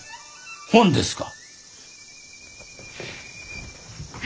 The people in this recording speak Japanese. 本ですか？